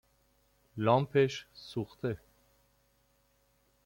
لامپش سوخته